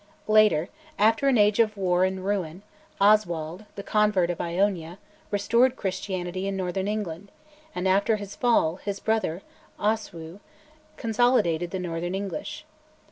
Later, after an age of war and ruin, Oswald, the convert of Iona, restored Christianity in northern England; and, after his fall, his brother, Oswiu, consolidated the north English.